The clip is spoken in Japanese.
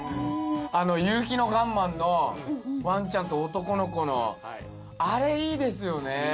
あの夕陽のガンマンのワンちゃんと男の子のあれいいですよね。